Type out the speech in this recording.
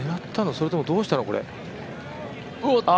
それともどうしたの、これ。